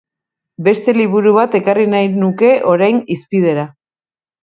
Beste liburu bat ekarri nahi nuke orain hizpidera.